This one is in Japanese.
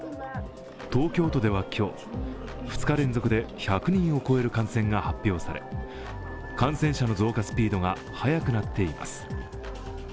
東京都では今日、２日連続で１００人を超える感染が発表され感染者の増加スピードが速くなっています。